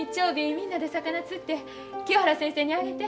みんなで魚釣って清原先生にあげて。